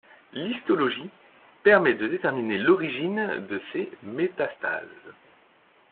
L'histologie permet de déterminer l'origine de ces métastases.